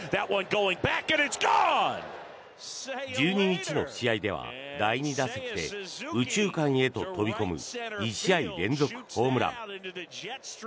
１２日の試合では第２打席で右中間へと飛び込む２試合連続ホームラン。